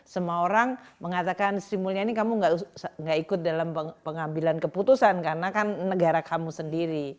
semua orang mengatakan sri mulyani kamu gak ikut dalam pengambilan keputusan karena kan negara kamu sendiri